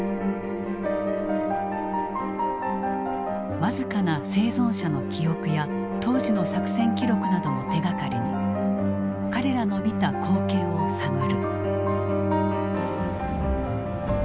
僅かな生存者の記憶や当時の作戦記録などを手がかりに彼らの見た光景を探る。